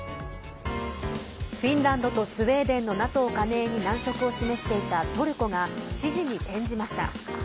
フィンランドとスウェーデンのＮＡＴＯ加盟に難色を示していたトルコが支持に転じました。